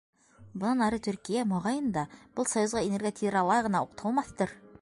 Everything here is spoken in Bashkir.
Бынан ары Төркиә, моғайын да, был Союзға инергә тиҙ арала ғына уҡталмаҫтыр.